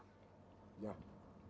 menjadi kemampuan anda